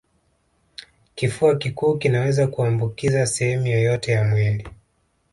Kifua kikuu kinaweza kuambukiza sehemu yoyote ya mwili